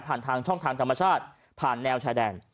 ผ่านช่องทางธัมมะชาติตรงแนวชายแดน